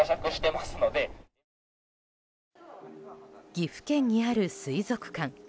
岐阜県にある水族館。